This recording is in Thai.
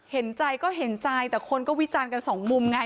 เห็นใจก็เห็นใจแต่คนก็วิจารณ์กันสองมุมไง